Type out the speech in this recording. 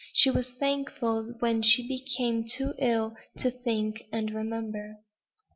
She was thankful when she became too ill to think and remember.